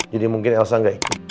jadi mungkin elsa gak ikut